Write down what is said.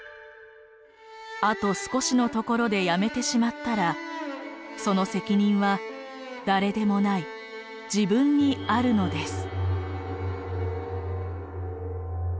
「あと少しのところでやめてしまったらその責任は誰でもない自分にあるのです」。